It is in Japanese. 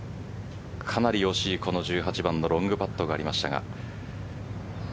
かなり惜しいこの１８番のロングパットがありましたが。